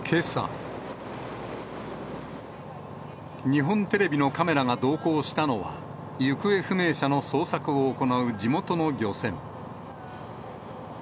日本テレビのカメラが同行したのは、行方不明者の捜索を行う地元の漁船。